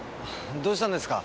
どうしたんですか？